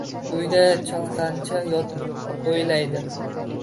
Uyida chalqancha yotib o‘yladi.